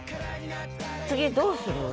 次どうする？